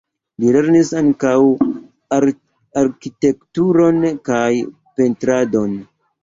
Li lernis ankaŭ arkitekturon kaj pentradon.